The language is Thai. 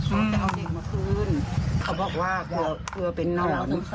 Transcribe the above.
จะเอาเด็กมาคืนเขาบอกว่ากลัวเป็นน้อง